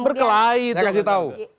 berkelahi itu saya kasih tau